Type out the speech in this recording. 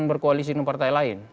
berkoalisi dengan partai lain